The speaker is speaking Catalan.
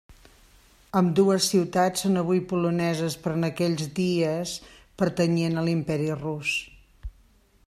Ambdues ciutats són avui poloneses però en aquells dies pertanyien a l'Imperi rus.